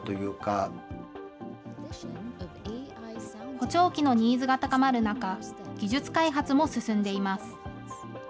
補聴器のニーズが高まる中、技術開発も進んでいます。